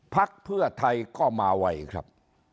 พักเพื่อไทยก็มาไวครับ